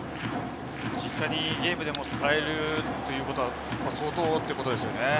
実際にゲームでも使えるということは相当ということですね。